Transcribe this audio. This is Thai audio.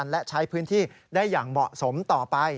และใช้พื้นที่ได้อย่างเหมาะสมต่อไป